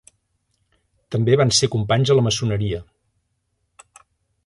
També van ser companys a la maçoneria.